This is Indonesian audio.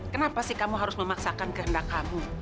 kenapa sih kamu harus memaksakan kehendak kamu